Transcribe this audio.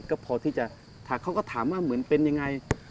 ก็พอที่จะทักเขาก็ถามว่าเหมือนเป็นยังไง